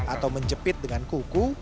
atau menjepit dengan kuku